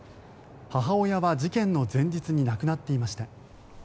母親は事件の前日に亡くなっていました。